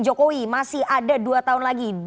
jokowi masih ada dua tahun lagi